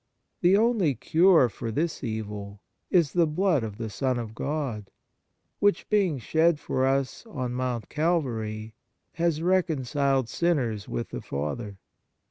The only cure for this evil is the blood of the Son of God, which, being shed for us on Mount Calvary, has reconciled sinners with the Father.